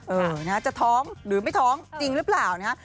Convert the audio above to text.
เออนะฮะจะท้องหรือไม่ท้องจริงหรือเปล่านะฮะ